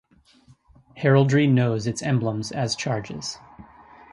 Heraldry knows its emblems as charges.